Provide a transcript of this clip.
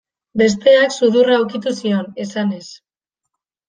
Besteak, sudurra ukitu zion, esanez.